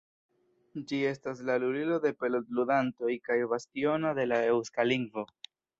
Ĝi estas la Lulilo de pelot-ludantoj kaj bastiono de la eŭska lingvo.